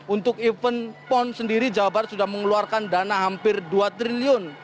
untuk event pon sendiri jawa barat sudah mengeluarkan dana hampir dua triliun